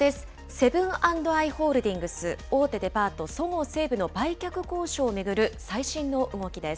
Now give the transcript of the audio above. セブン＆アイ・ホールディングス、大手デパート、そごう・西武の売却交渉を巡る最新の動きです。